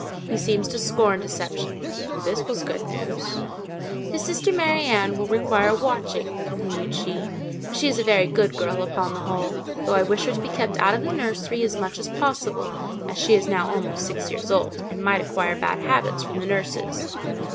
He seems to scorn deception" (this was good news). "His sister Mary Ann will require watching," continued she, "but she is a very good girl upon the whole; though I wish her to be kept out of the nursery as much as possible, as she is now almost six years old, and might acquire bad habits from the nurses.